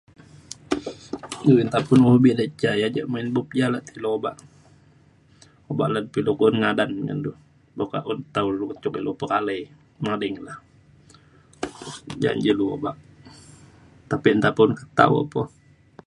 um nta un hobi da' ca ya ja' main bup ja letuk le obak. obak lan pe ilu un ngadan ngan du. boka un tau du cuk ilu pekalai mading na jane ja ilu obak tapi nta pe un tau e pe